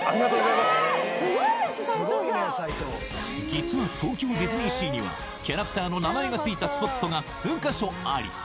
実は東京ディズニーシーにはキャラクターの名前が付いたスポットが数カ所あり